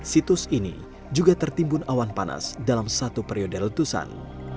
situs ini juga tertimbun awan panas dalam satu periode letusan